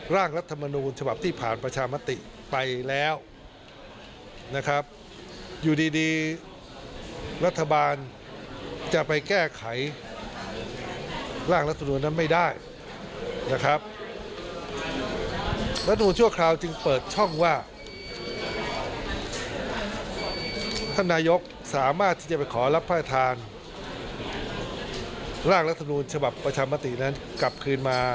รับประธานร่างลักษณุชภประชัมปฏินั้นกลับคืนมา